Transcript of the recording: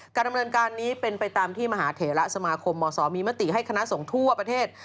การดำเนินการนี้เป็นไปตามที่มหาเถระสมาคมมศมีมติให้คณะสงฆ์ทั่วประเทศ